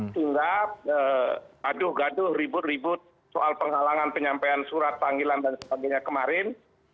sehingga aduh gaduh ribut ribut soal penghalangan penyampaian surat panggilan dan sebagainya kemarin